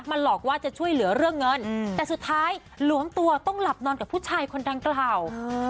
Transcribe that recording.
หลอกว่าจะช่วยเหลือเรื่องเงินแต่สุดท้ายหลวมตัวต้องหลับนอนกับผู้ชายคนดังกล่าว